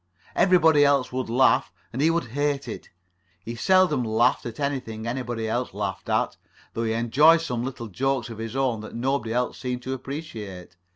Everybody else would laugh, and he would hate it. He seldom laughed at anything anybody else laughed at, though he enjoyed some little jokes of his own that nobody else seemed to appreciate.